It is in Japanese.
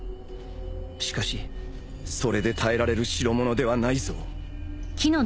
しかしそれで耐えられる代物ではないぞ